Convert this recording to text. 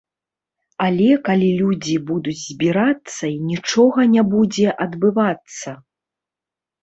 Але калі людзі будуць збірацца і нічога не будзе адбывацца?